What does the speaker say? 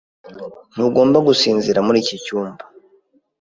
Ntugomba gusinzira muri iki cyumba.